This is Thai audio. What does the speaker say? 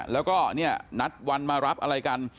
แล้วก็นัดวันมารับอะไรกัน